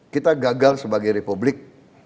kita gagal sebagai republik